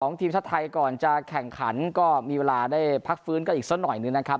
ทีมชาติไทยก่อนจะแข่งขันก็มีเวลาได้พักฟื้นกันอีกสักหน่อยหนึ่งนะครับ